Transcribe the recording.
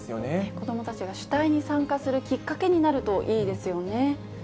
子どもたちが主体に参加するきっかけになるといいですよね。